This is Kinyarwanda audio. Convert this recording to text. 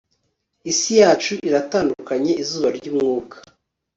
Isi yacu iratandukanye izuba ryumwuka